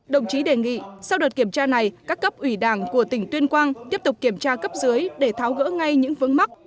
đồng chí đề nghị sau đợt kiểm tra này các cấp ủy đảng của tỉnh tuyên quang tiếp tục kiểm tra cấp dưới để tháo gỡ ngay những vướng mắc